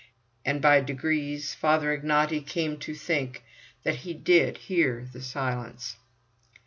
And by degrees Father Ignaty came to think that he did hear the silence.